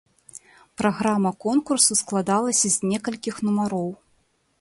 Праграма конкурсу складалася з некалькіх нумароў.